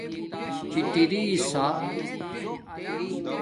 چِٹرسݳ